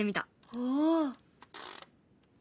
おお！